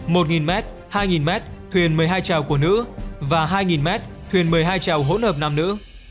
một m hai m thuyền một mươi hai trào của nữ và hai m thuyền một mươi hai trào hỗn hợp nam nữ